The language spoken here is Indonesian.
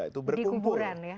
di kuburan ya